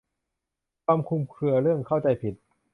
ความคลุมเครือเรื่องเข้าใจผิด